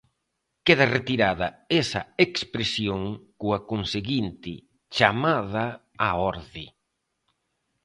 Queda retirada esa expresión coa conseguinte chamada á orde.